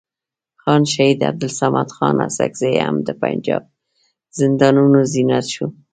خان شهید عبدالصمد خان اڅکزی هم د پنجاب زندانونو زینت شو.